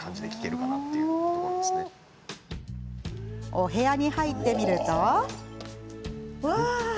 お部屋に入ってみると。